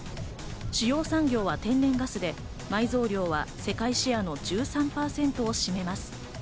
主要産業は天然ガスで、埋蔵量は世界シェアの１３％を占めます。